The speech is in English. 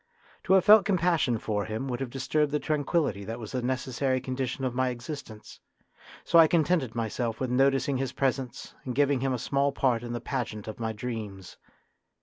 To have felt compassion for him would have disturbed the tranquillity that was a necessary condition of my existence, so I contented myself with noticing his presence and giving him a small part in the pageant of my dreams.